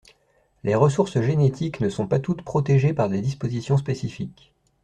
Les ressources génétiques ne sont pas toutes protégées par des dispositions spécifiques.